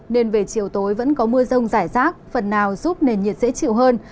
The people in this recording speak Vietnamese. nên về chiều tối vẫn có mưa rông rải rác phần nào giúp nền nhiệt dễ chịu hơn